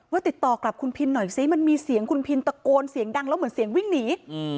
ติดต่อกลับคุณพินหน่อยซิมันมีเสียงคุณพินตะโกนเสียงดังแล้วเหมือนเสียงวิ่งหนี